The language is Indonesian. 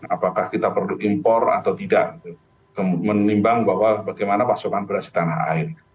apakah kita perlu impor atau tidak menimbang bahwa bagaimana pasokan beras di tanah air